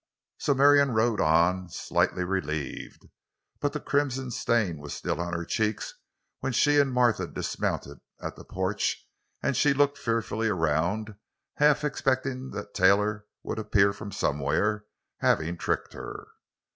So Marion rode on, slightly relieved. But the crimson stain was still on her cheeks when she and Martha dismounted at the porch, and she looked fearfully around, half expecting that Taylor would appear from somewhere, having tricked her.